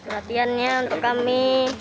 latiannya untuk kami